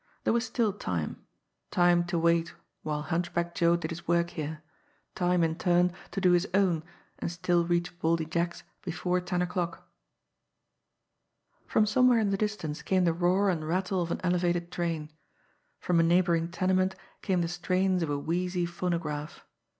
There was still time time to wait while Hunchback Joe did his work here, time in turn to do his own and still reach Baldy Jack's before ten o'clock. From somewhere in the distance came the roar and rattle of an elevated train; from a neighbouring tenement came the strains of a wheezy phonograph.